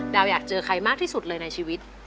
อยากเจอใครมากที่สุดเลยในชีวิต